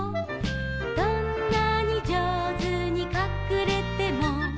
「どんなに上手にかくれても」